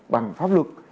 bằng pháp luật